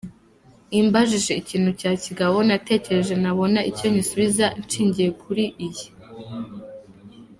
imbajije ikintu cya kigabo natekereje nabona icyo nyisubiza nshingiye kuri iyi.